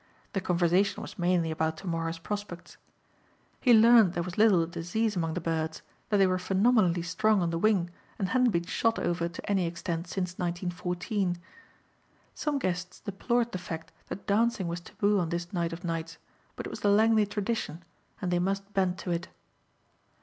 The conversation was mainly about to morrow's prospects. He learned there was little disease among the birds, that they were phenomenally strong on the wing and hadn't been shot over to any extent since 1914. Some guests deplored the fact that dancing was taboo on this night of nights but it was the Langley tradition and they must bend to it.